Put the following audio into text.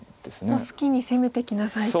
もう好きに攻めてきなさいと。